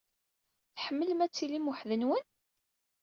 Tḥemmlem ad tilim weḥd-nwen?